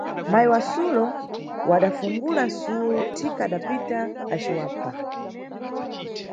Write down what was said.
Mayi wasulo wadafungula suwo, thika adapita aciwapha.